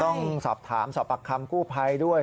ต้องสอบถามสอบปากคำกู้ภัยด้วย